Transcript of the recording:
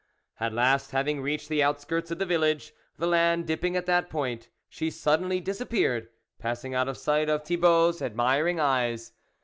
At last, having reached the outskirts of the village, the land dipping at that point, she suddenly disappeared, passing out of sight of Thibault's admir ing eyes.